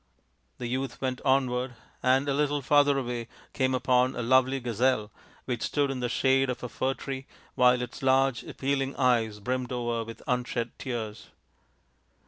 The youth went onward, and a little farther away came upon a lovely gazelle, which stood in the shade of a fir tree, while its large appealing eyes brimmed over with unshed tears.